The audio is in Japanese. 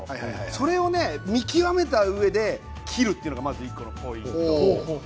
それを見極めたうえで切るというのがまず１個のポイント